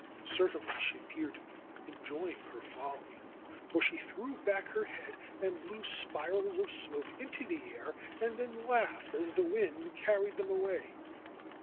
Certainly she appeared to be enjoying her folly, for she threw back her head and blew spirals of smoke into the air and then laughed as the wind carried them away.